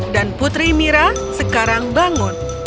dan putri mira sekarang bangun